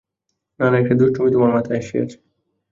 না না, একটা কী দুষ্টুমি তোমার মাথায় আসিয়াছে।